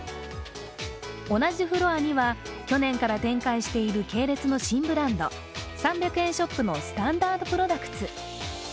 同じフロアには去年から展開している系列の新ブランド、３００円ショップのスタンダードプロダクツ。